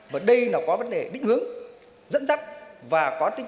và đây nó có vấn đề đích hướng dẫn dắt và có tính chất